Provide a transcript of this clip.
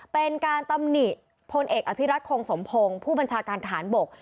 เป็นการตำหนิพลเอกอภิรัตคงสมพงศ์ผู้บัญชาการฐานบก